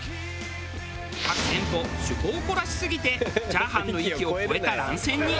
各店舗趣向を凝らしすぎてチャーハンの域を越えた乱戦に。